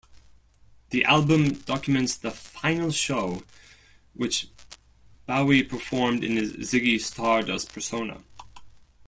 The album documents the final show which Bowie performed in his Ziggy Stardust persona.